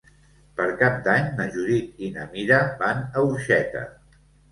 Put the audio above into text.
Per Cap d'Any na Judit i na Mira van a Orxeta.